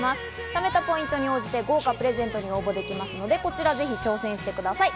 貯めたポイントに応じて豪華プレゼントに応募できますので、こちらぜひ、挑戦してみてください。